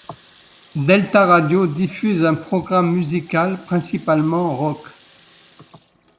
Delta radio diffuse un programme musical principalement rock.